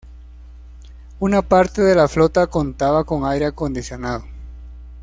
Una parte de la flota contaba con aire acondicionado.